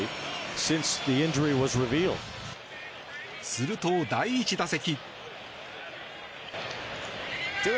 すると第１打席。